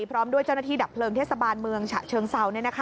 พร้อมด้วยเจ้าหน้าที่ดับเพลิงเทศบาลเมืองฉะเชิงเซา